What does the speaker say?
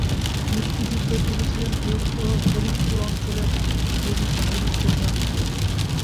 মুক্তিযুদ্ধে তিনি ছিলেন বৃহত্তর ফরিদপুর অঞ্চলের মুজিব বাহিনীর প্রধান।